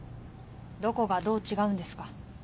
どこがどう違うんですか？